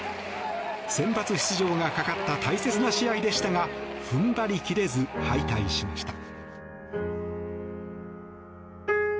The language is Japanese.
センバツ出場がかかった大切な試合でしたが踏ん張り切れず、敗退しました。